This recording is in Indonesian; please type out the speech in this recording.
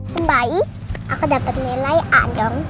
kembali aku dapat nilai a dong